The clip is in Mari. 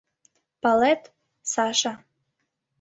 — Палет, Саша.